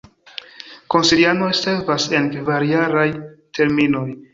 Konsilianoj servas en kvar-jaraj terminoj.